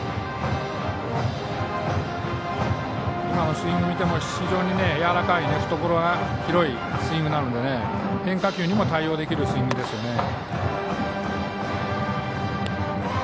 今のスイングを見ても非常にやわらかい懐が広いスイングなので変化球にも対応できるスイングですね。